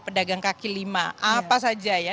pedagang kaki lima apa saja ya